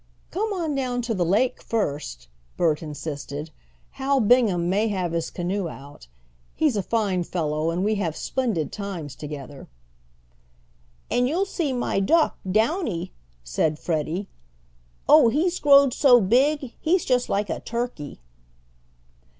"Come on down to the lake, first," Bert insisted. "Hal Bingham may have his canoe out. He's a fine fellow, and we have splendid times together." "And you'll see my duck, Downy," said Freddie. "Oh, he's growed so big he's just like a turkey."